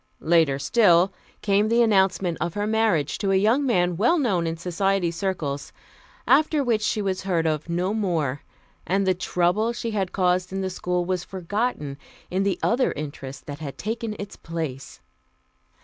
Later still came the announcement of her marriage to a young man well known in society circles; after which she was heard of no more, and the trouble she had caused in the school was forgotten in the other interests that had taken its place.